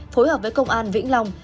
phối hợp với công an vĩnh long